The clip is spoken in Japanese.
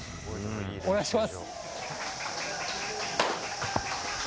お願いします。